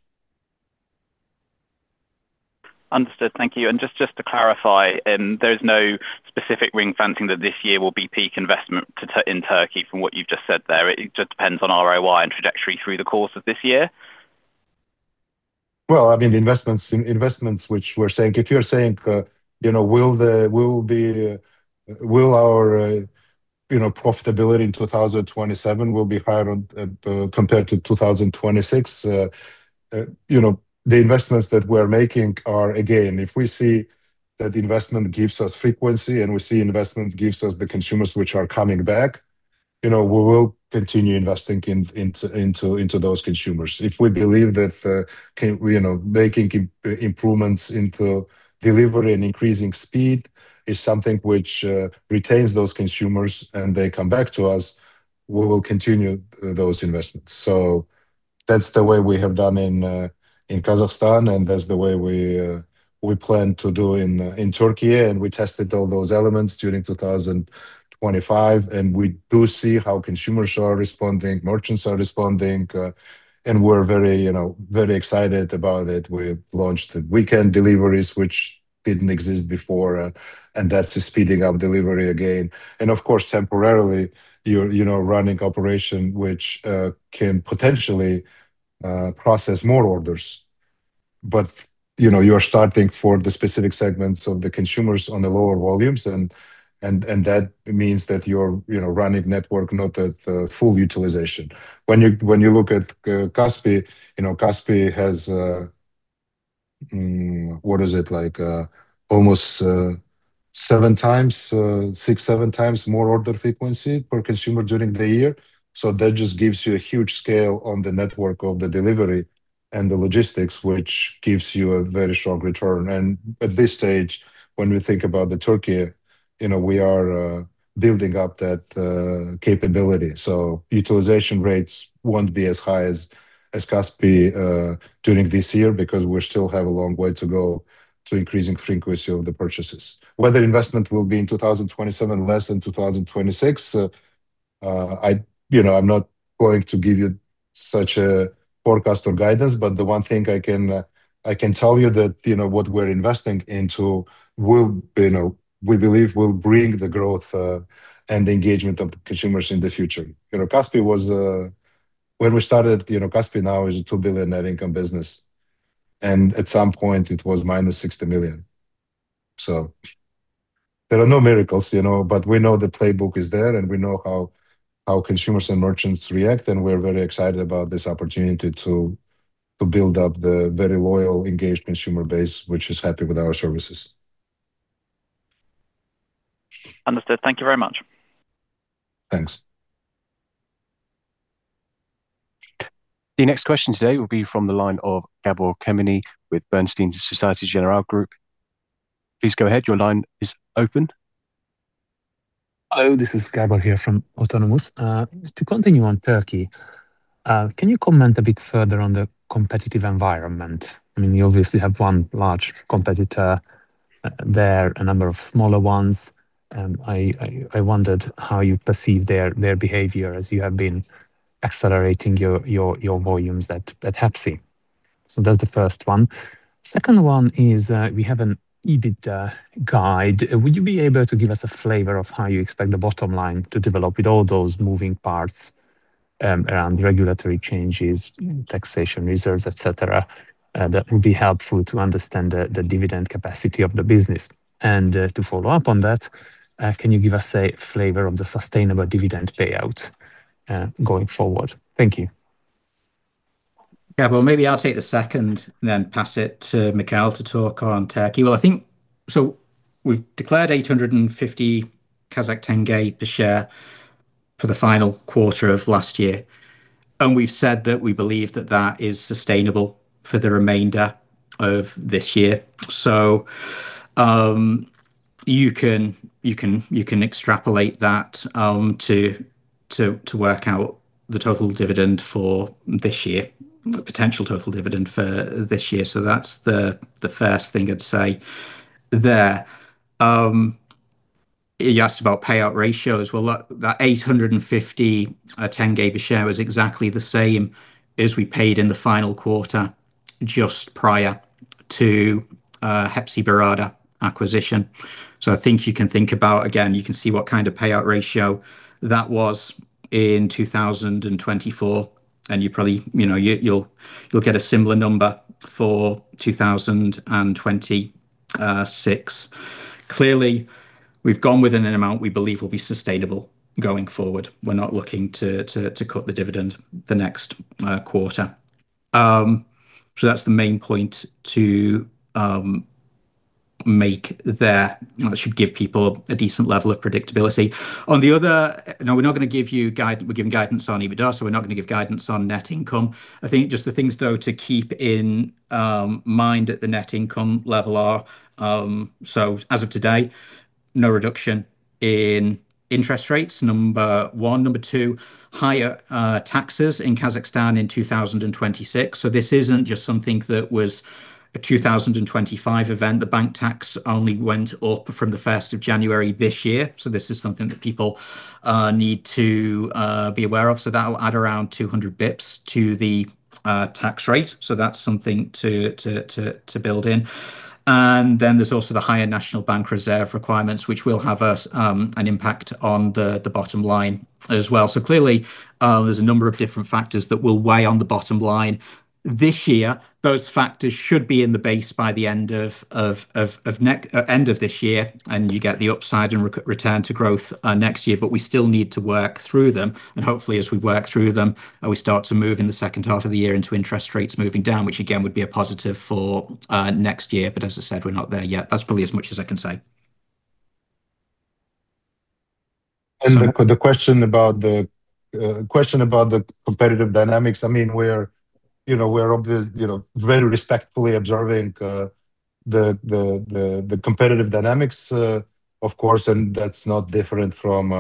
Understood. Thank you. Just to clarify, there's no specific ring fencing that this year will be peak investment in Türkiye from what you've just said there. It just depends on ROI and trajectory through the course of this year. Well, I mean, the investments which we're saying. If you're saying, you know, will our profitability in 2027 will be higher on compared to 2026, you know, the investments that we're making are. Again, if we see that investment gives us frequency, and we see investment gives us the consumers which are coming back, you know, we will continue investing into those consumers. If we believe that, you know, making improvements into delivery and increasing speed is something which retains those consumers and they come back to us, we will continue those investments. That's the way we have done in Kazakhstan, that's the way we plan to do in Türkiye. We tested all those elements during 2025, and we do see how consumers are responding, merchants are responding, you know, very excited about it. We've launched the weekend deliveries, which didn't exist before, and that's speeding up delivery again. Of course, temporarily you're, you know, running operation which can potentially process more orders. You know, you're starting for the specific segments of the consumers on the lower volumes and that means that you're, you know, running network not at the full utilization. When you, when you look at Kaspi, you know, Kaspi has, what is it? Like, almost 7 times, 6-7 times more order frequency per consumer during the year. That just gives you a huge scale on the network of the delivery and the logistics, which gives you a very strong return. At this stage, when we think about Türkiye, we are building up that capability. Utilization rates won't be as high as Kaspi during this year because we still have a long way to go to increasing frequency of the purchases. Whether investment will be in 2027 less than 2026, I'm not going to give you such a forecast or guidance, but the one thing I can tell you that what we're investing into will, we believe will bring the growth and the engagement of the consumers in the future. When we started, you know, Kaspi now is a KZT 2 billion net income business, and at some point it was -KZT 60 million. There are no miracles, you know. We know the playbook is there, and we know how consumers and merchants react, and we're very excited about this opportunity to build up the very loyal, engaged consumer base which is happy with our services. Understood. Thank you very much. Thanks. The next question today will be from the line of Gabor Kemeny with Bernstein Autonomous LLP. Please go ahead. Your line is open. Hello, this is Gabor here from Autonomous. To continue on Türkiye, can you comment a bit further on the competitive environment? I mean, you obviously have one large competitor there, a number of smaller ones. I wondered how you perceive their behavior as you have been accelerating your volumes at Hepsi. That's the first one. Second one is, we have an EBITDA guide. Would you be able to give us a flavor of how you expect the bottom line to develop with all those moving parts, around regulatory changes, taxation reserves, et cetera, that would be helpful to understand the dividend capacity of the business. To follow up on that, can you give us a flavor of the sustainable dividend payout going forward? Thank you. Yeah. Maybe I'll take the second, then pass it to Mikhail to talk on Türkiye. I think we've declared KZT 850 per share for Q4 of last year, and we've said that we believe that that is sustainable for the remainder of this year. You can extrapolate that to work out the total dividend for this year, the potential total dividend for this year. That's the first thing I'd say there. You asked about payout ratios. That KZT 850 per share was exactly the same as we paid in Q4 just prior to Hepsiburada acquisition. I think you can think about, again, you can see what kind of payout ratio that was in 2024, and you probably, you know, you'll get a similar number. For 2026. Clearly, we've gone with an amount we believe will be sustainable going forward. We're not looking to cut the dividend the next quarter. That's the main point to make there. That should give people a decent level of predictability. We're giving guidance on EBITDA, we're not going to give guidance on net income. I think just the things though to keep in mind at the net income level are as of today, no reduction in interest rates, number one. Number two, higher taxes in Kazakhstan in 2026. This isn't just something that was a 2025 event. The bank tax only went up from the first of January this year, this is something that people need to be aware of. That'll add around 200 basis points to the tax rate. That's something to build in. There's also the higher National Bank reserve requirements, which will have an impact on the bottom line as well. Clearly, there's a number of different factors that will weigh on the bottom line this year. Those factors should be in the base by the end of this year, you get the upside and return to growth next year. We still need to work through them, and hopefully as we work through them, we start to move in the second half of the year into interest rates moving down, which again, would be a positive for next year. As I said, we're not there yet. That's probably as much as I can say. The question about the competitive dynamics, I mean, we're very respectfully observing the competitive dynamics, of course, and that's not different from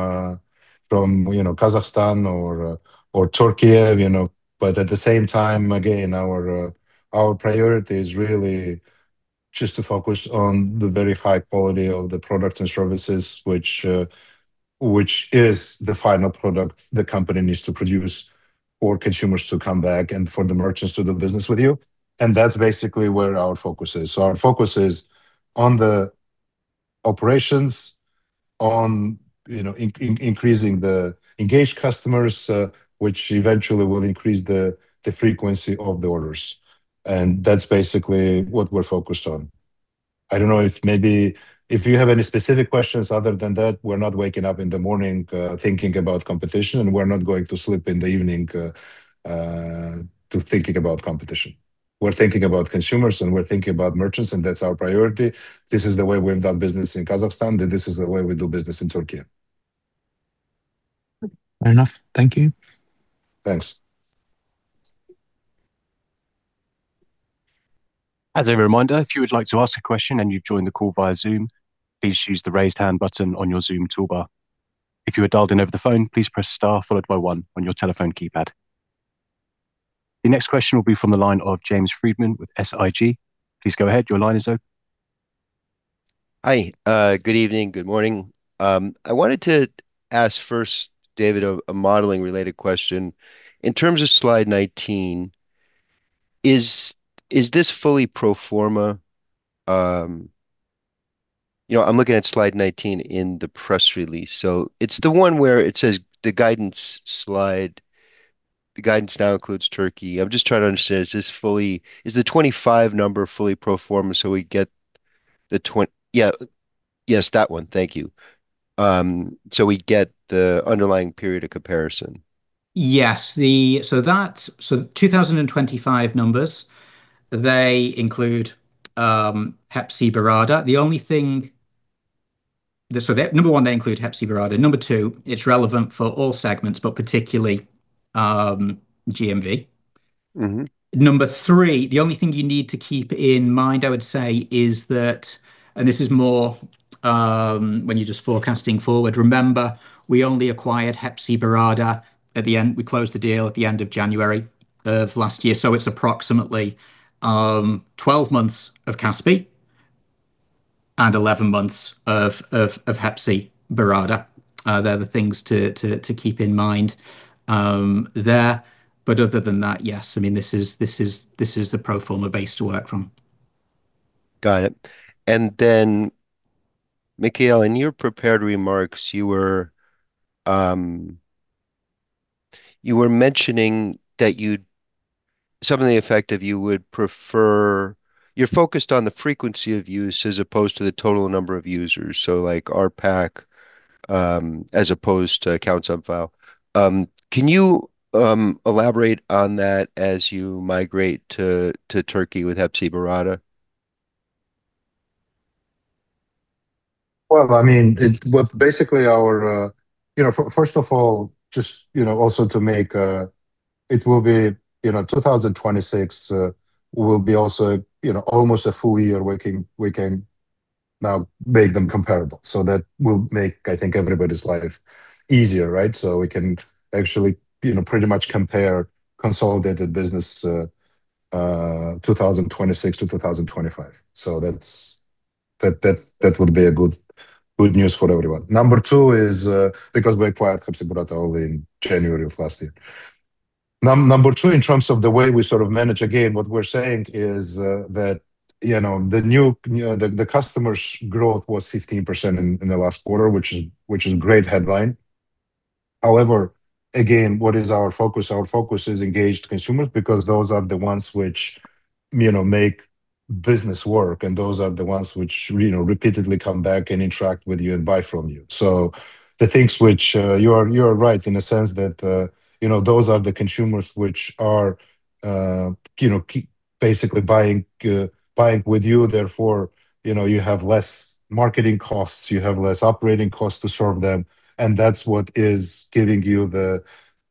Kazakhstan or Türkiye. At the same time, again, our priority is really just to focus on the very high quality of the products and services which is the final product the company needs to produce for consumers to come back and for the merchants to do business with you. That's basically where our focus is. Our focus is on the operations, on, you know, increasing the engaged customers, which eventually will increase the frequency of the orders. That's basically what we're focused on. I don't know if maybe if you have any specific questions other than that, we're not waking up in the morning, thinking about competition, and we're not going to sleep in the evening, to thinking about competition. We're thinking about consumers, and we're thinking about merchants, and that's our priority. This is the way we've done business in Kazakhstan, and this is the way we do business in Türkiye. Fair enough. Thank you. Thanks. As a reminder, if you would like to ask a question and you've joined the call via Zoom, please use the raise hand button on your Zoom toolbar. If you are dialed in over the phone, please press star followed by one on your telephone keypad. The next question will be from the line of James Friedman with SIG. Please go ahead. Your line is open. Hi. good evening, good morning. I wanted to ask first, David, a modeling related question. In terms of slide 19, is this fully pro forma? you know, I'm looking at slide 19 in the press release. It's the one where it says the guidance slide. The guidance now includes Türkiye. I'm just trying to understand, Is the 2025 number fully pro forma, so we get the yeah. Yes, that one. Thank you. we get the underlying period of comparison. Yes. The 2025 numbers, they include Hepsiburada. The only thing, one, they include Hepsiburada. Two, it's relevant for all segments, but particularly GMV. Number three, the only thing you need to keep in mind, I would say, is that. This is more, when you're just forecasting forward, remember, we only acquired Hepsiburada at the end. We closed the deal at the end of January of last year. It's approximately, 12 months of Kaspi and 11 months of Hepsiburada. They're the things to keep in mind, there. Other than that, yes. I mean, this is the pro forma base to work from. Got it. Mikhail, in your prepared remarks, you were mentioning that you're focused on the frequency of use as opposed to the total number of users, so like RPAC, as opposed to count subfile. Can you elaborate on that as you migrate to Türkiye with Hepsiburada? Well, first of all, 2026, will be also almost a full year we can now make them comparable. That will make, I think, everybody's life easier, right? We can actually, you know, pretty much compare consolidated business, 2026 to 2025. That's, that would be a good news for everyone. Number two is, because we acquired Hepsiburada only in January of last year. In terms of the way we sort of manage, again, what we're saying is that, you know, the new, you know, the customers' growth was 15% in the last quarter, which is a great headline. However, again, what is our focus? Our focus is engaged consumers because those are the ones which, you know, make business work, and those are the ones which, you know, repeatedly come back and interact with you and buy from you. The things which, you are, you are right in a sense that, you know, those are the consumers which are, you know, keep basically buying with you, therefore, you know, you have less marketing costs, you have less operating costs to serve them, and that's what is giving you the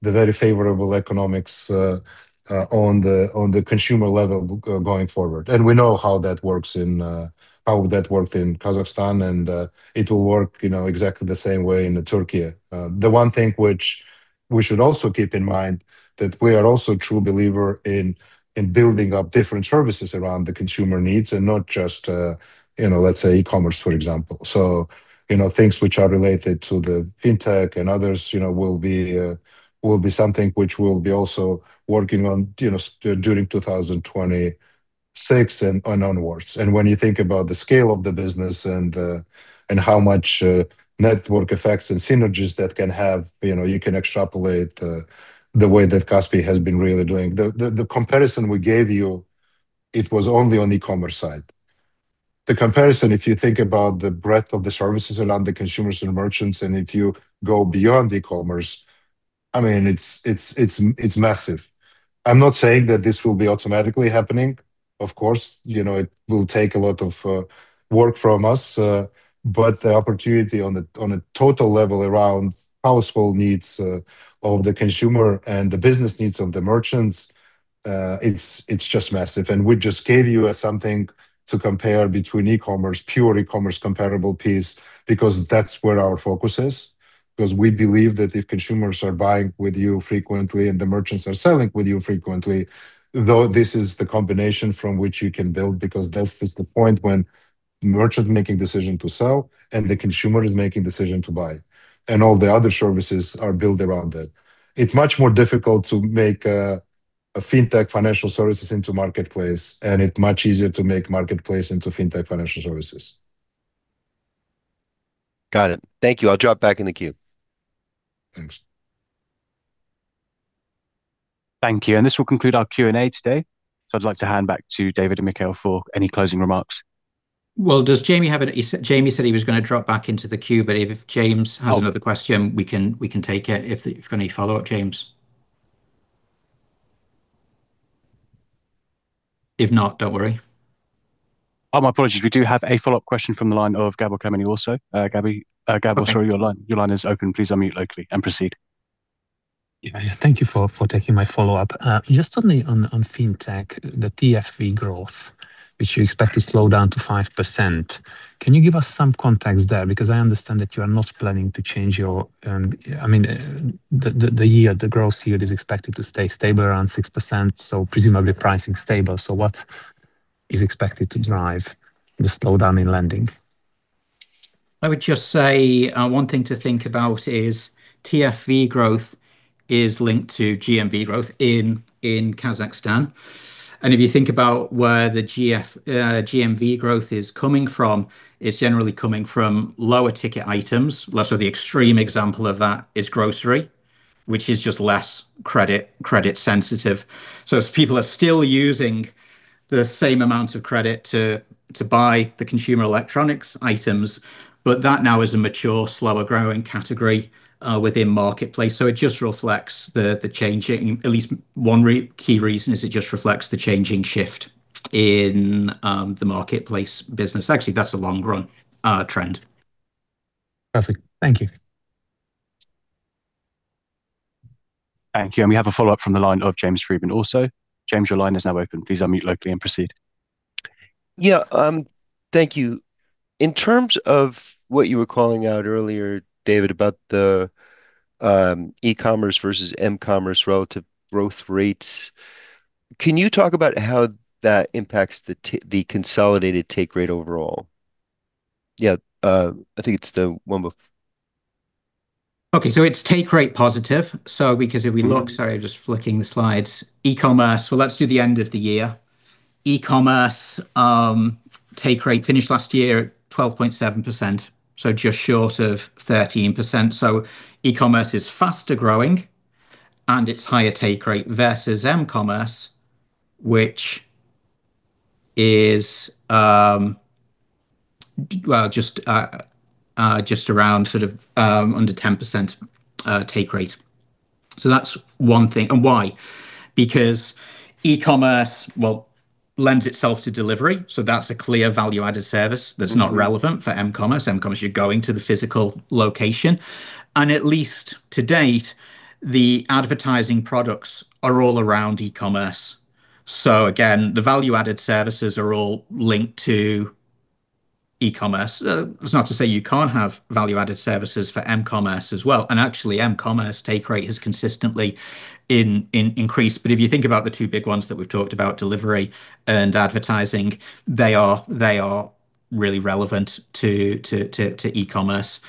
very favorable economics on the, on the consumer level going forward. We know how that works in, how that worked in Kazakhstan and, it will work exactly the same way in the Türkiye. The one thing which we should also keep in mind that we are also true believer in building up different services around the consumer needs and not just, you know, let's say e-Commerce, for example. You know, things which are related to the Fintech and others, you know, will be something which we'll be also working on, you know, during 2026 and onwards. When you think about the scale of the business and how much network effects and synergies that can have, you know, you can extrapolate the way that Kaspi has been really doing. The comparison we gave you, it was only on e-Commerce side. The comparison, if you think about the breadth of the services around the consumers and merchants, and if you go beyond e-Commerce, I mean, it's massive. I'm not saying that this will be automatically happening. Of course, you know, it will take a lot of work from us. The opportunity on a total level around household needs of the consumer and the business needs of the merchants, it's just massive. We just gave you something to compare between e-Commerce, pure e-Commerce comparable piece, because that's where our focus is. 'Cause we believe that if consumers are buying with you frequently and the merchants are selling with you frequently, though this is the combination from which you can build because that's just the point when merchant making decision to sell and the consumer is making decision to buy. All the other services are built around that. It's much more difficult to make a Fintech financial services into marketplace, and it much easier to make marketplace into Fintech financial services. Got it. Thank you. I'll drop back in the queue. Thanks. Thank you. This will conclude our Q&A today. I'd like to hand back to David and Mikhail for any closing remarks. Well, does Jamie have? Jamie said he was gonna drop back into the queue. If James has another question, we can take it. If you've got any follow up, James. If not, don't worry. Oh, my apologies. We do have a follow-up question from the line of Gabor Kemeny also. Gabi, your line is open. Please unmute locally and proceed. Yeah. Thank you for taking my follow-up. Just on the Fintech, the TFV growth, which you expect to slow down to 5%, can you give us some context there? I understand that you are not planning to change, I mean, the year, the growth year is expected to stay stable around 6%, presumably pricing stable. What is expected to drive the slowdown in lending? I would just say, one thing to think about is TFV growth is linked to GMV growth in Kazakhstan. If you think about where the GMV growth is coming from, it's generally coming from lower ticket items. Less of the extreme example of that is grocery, which is just less credit sensitive. People are still using the same amount of credit to buy the consumer electronics items, but that now is a mature, slower growing category, within marketplace. It just reflects the changing. At least one key reason is it just reflects the changing shift in the marketplace business. Actually, that's a long run, trend. Perfect. Thank you. Thank you. We have a follow-up from the line of James Friedman also. James, your line is now open. Please unmute locally and proceed. Yeah, thank you. In terms of what you were calling out earlier, David, about the e-Commerce versus m-Commerce relative growth rates, can you talk about how that impacts the consolidated take rate overall? Yeah, I think it's the one with. Okay, it's take rate positive. Because if we look, sorry, I'm just flicking the slides. e-Commerce, let's do the end of the year. e-Commerce, take rate finished last year at 12.7%, just short of 13%. e-Commerce is faster growing, and it's higher take rate versus m-Commerce, which is just around under 10% take rate. That's one thing. Why? Because e-Commerce lends itself to delivery, so that's a clear value-added service that's not relevant for m-Commerce. m-Commerce, you're going to the physical location. At least to date, the advertising products are all around e-Commerce. Again, the value-added services are all linked to e-Commerce. That's not to say you can't have value-added services for m-Commerce as well. actually, m-Commerce take rate has consistently increased. if you think about the two big ones that we've talked about, delivery and advertising, they are really relevant to e-Commerce.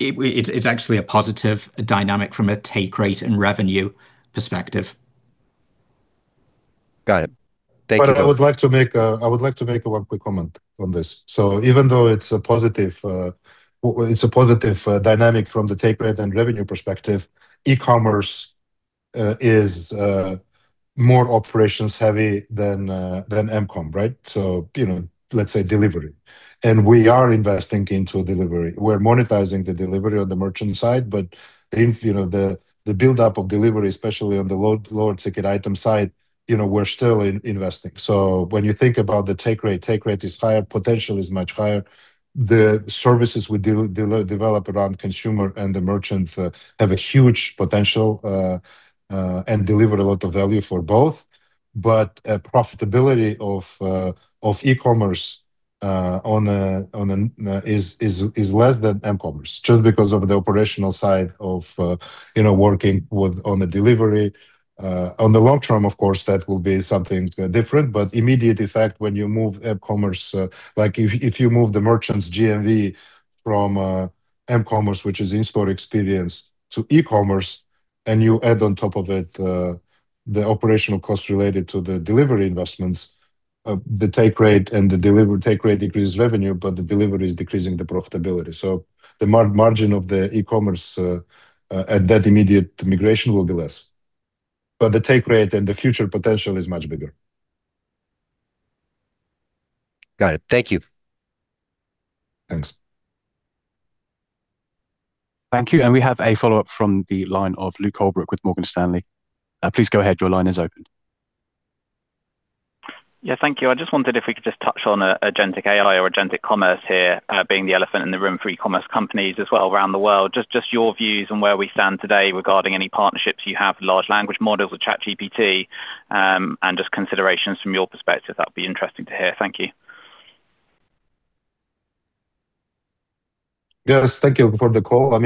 it's actually a positive dynamic from a take rate and revenue perspective. Got it. Thank you I would like to make one quick comment on this. Even though it's a positive dynamic from the take rate and revenue perspective, e-Commerce is more operations heavy than m-Commerce, right? You know, let's say delivery. We are investing into delivery. We're monetizing the delivery on the merchant side, but in, you know, the buildup of delivery, especially on the lower ticket item side, you know, we're still investing. When you think about the take rate, take rate is higher, potential is much higher. The services we develop around consumer and the merchant have a huge potential and deliver a lot of value for both. Profitability of e-Commerce is less than m-Commerce just because of the operational side of, you know, working with on the delivery. On the long term, of course, that will be something different, but immediate effect when you move m-Commerce, like if you move the merchants GMV from m-Commerce, which is in-store experience to e-Commerce, and you add on top of it, the operational costs related to the delivery investments, the take rate and the delivery take rate increases revenue, but the delivery is decreasing the profitability. The margin of the e-Commerce at that immediate migration will be less. The take rate and the future potential is much bigger. Got it. Thank you. Thanks. Thank you. We have a follow-up from the line of Luke Holbrook with Morgan Stanley. Please go ahead, your line is open. Yeah. Thank you. I just wondered if we could just touch on agentic AI or agentic commerce here, being the elephant in the room for e-Commerce companies as well around the world. Just your views on where we stand today regarding any partnerships you have with large language models with ChatGPT, just considerations from your perspective. That would be interesting to hear. Thank you. Yes. Thank you for the call.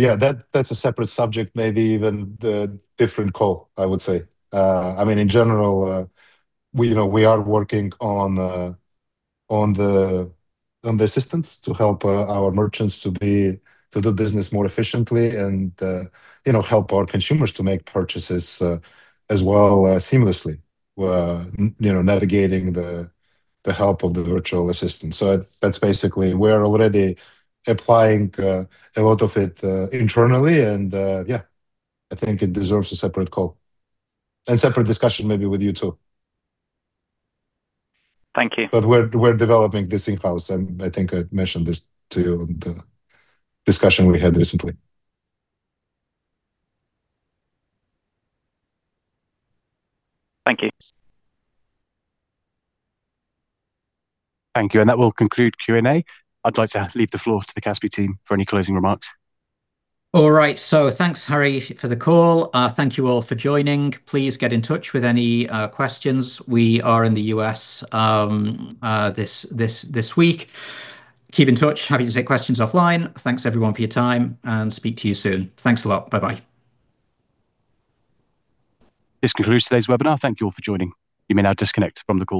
Yeah, that's a separate subject, maybe even the different call, I would say. I mean, in general, we are working on the assistance to help our merchants to do business more efficiently and, you know, help our consumers to make purchases as well, seamlessly. We're, you know, navigating the help of the virtual assistant. That's basically, we're already applying a lot of it internally and, yeah, I think it deserves a separate call and separate discussion maybe with you too. Thank you. We're developing these things, and I think I mentioned this to you in the discussion we had recently. Thank you. Thank you. That will conclude Q&A. I'd like to leave the floor to the Kaspi team for any closing remarks. Thanks, Harry, for the call. Thank you all for joining. Please get in touch with any questions. We are in the U.S. this week. Keep in touch. Happy to take questions offline. Thanks everyone for your time, speak to you soon. Thanks a lot. Bye-bye. This concludes today's webinar. Thank you all for joining. You may now disconnect from the call.